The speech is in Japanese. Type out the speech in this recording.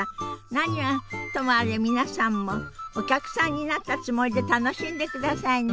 何はともあれ皆さんもお客さんになったつもりで楽しんでくださいね。